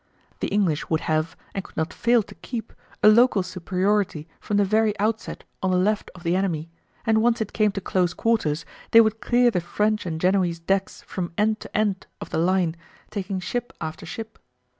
The English would have, and could not fail to keep, a local superiority from the very outset on the left of the enemy, and once it came to close quarters they would clear the French and Genoese decks from end to end of the line, taking ship after ship.